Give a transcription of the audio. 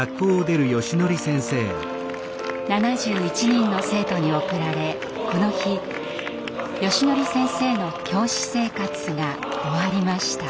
７１人の生徒に送られこの日よしのり先生の教師生活が終わりました。